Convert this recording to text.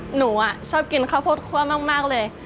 หนูชอบกินข้าวโพดคั่วมากเลย